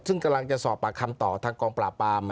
ซึ่งกำลังจะสอบปากคำต่อทางกองปลาปามนะครับ